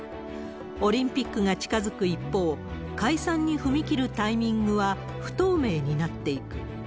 オリンピックが近づく一方、解散に踏み切るタイミングは不透明になっていく。